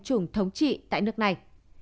chủng thống trị tại nước này